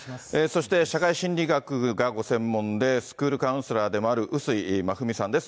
そして社会心理学がご専門で、スクールカウンセラーでもある碓井真史さんです。